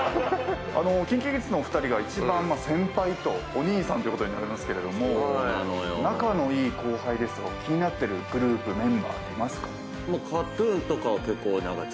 ＫｉｎＫｉＫｉｄｓのお二人が一番先輩とお兄さんということになりますが仲のいい後輩ですとか気になってるグループメンバーっていますか？